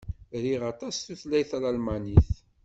Riɣ aṭas tutlayt Talmanit.